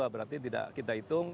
berarti tidak kita hitung